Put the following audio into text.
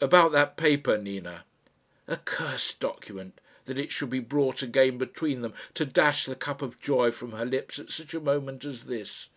"About that paper, Nina?" Accursed document, that it should be brought again between them to dash the cup of joy from her lips at such a moment as this!